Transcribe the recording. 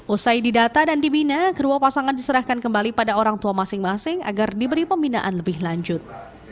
usai didata dan dibina kedua pasangan diserahkan kembali pada orang tua masing masing agar diberi pembinaan lebih lanjut